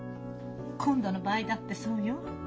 今度の場合だってそうよ。